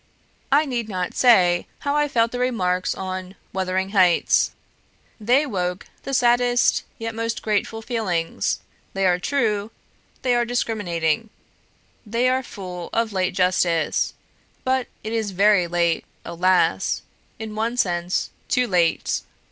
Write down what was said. "I need not say how I felt the remarks on 'Wuthering Heights;' they woke the saddest yet most grateful feelings; they are true, they are discriminating, they are full of late justice, but it is very late alas! in one sense, TOO late.